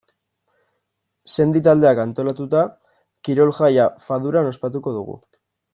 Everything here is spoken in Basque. Sendi taldeak antolatua, kirol-jaia Faduran ospatuko dugu.